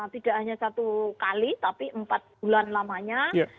tidak hanya satu kali tapi empat bulan lamanya